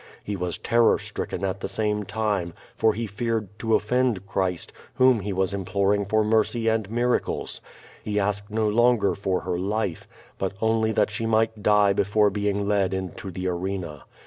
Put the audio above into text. He was terror stricken at the same time, for he feared to offend Christ, whom he was imploring for mercy and miracles. He asked no longer for her life, but only that she might die before being led into the arena.